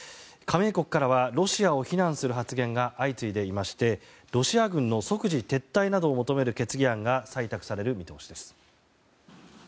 加盟国からはロシアを非難する発言が相次いでいましてロシア軍の即時撤退などを求める決議案が採択される見通しです。